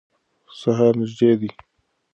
سهار نږدې دی.